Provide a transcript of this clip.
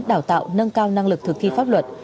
đào tạo nâng cao năng lực thực thi pháp luật